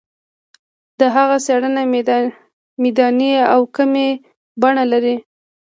د هغه څېړنه میداني او کمي بڼه لري.